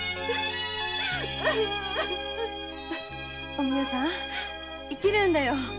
お美代さん生きるんだよ